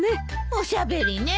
おしゃべりねえ。